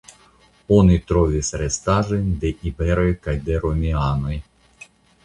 Oni trovis restaĵojn de iberoj kaj de romianoj.